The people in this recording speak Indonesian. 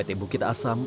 di bukit asam